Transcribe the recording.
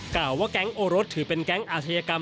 กล่าวว่าแก๊งโอรสถือเป็นแก๊งอาชญากรรม